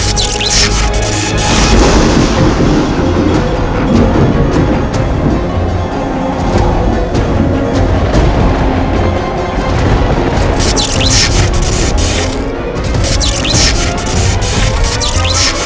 kucang wacang putih